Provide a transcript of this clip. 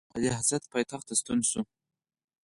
اعلیحضرت پایتخت ته ستون شوی دی.